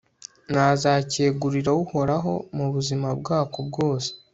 nazakegurira uhoraho mu buzima bwako bwose